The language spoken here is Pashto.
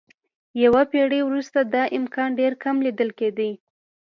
یوه پېړۍ وروسته دا امکان ډېر کم لیدل کېده.